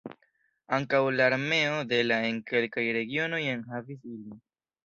Ankaŭ la armeo de la en kelkaj regionoj enhavis ilin.